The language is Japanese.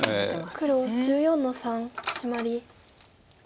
黒１４の三シマリ。